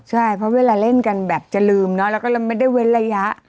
ใช่เพราะเวลาเล่นกันแบบจะลืมเนอะแล้วก็เราไม่ได้เว้นระยะ